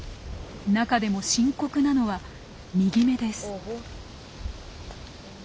中でも深刻なのは右目です。